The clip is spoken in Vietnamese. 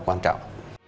và quan trọng